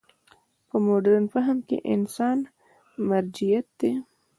په مډرن فهم کې انسان مرجعیت دی.